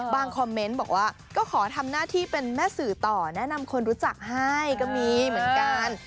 คอมเมนต์บอกว่าก็ขอทำหน้าที่เป็นแม่สื่อต่อแนะนำคนรู้จักให้ก็มีเหมือนกัน